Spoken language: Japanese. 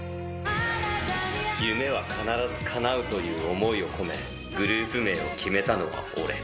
夢は必ずかなうという思いを込め、グループ名を決めたのは俺。